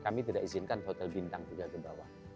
kami tidak izinkan hotel bintang tiga ke bawah